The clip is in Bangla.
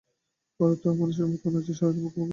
ওরা তো আর মানুষের মতো না, যে, সারা দিন বকবক করবে।